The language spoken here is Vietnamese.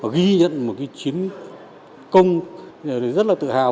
ghi nhận một cái chiến công rất là tự hào